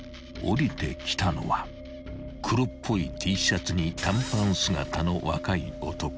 ［降りてきたのは黒っぽいＴシャツに短パン姿の］